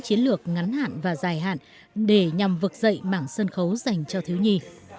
chiến lược ngắn hạn và dài hạn để nhằm vực dậy mảng sân khấu dành cho thiếu nhi